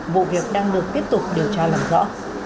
vụ việc đang được tiếp tục điều tra làm rõ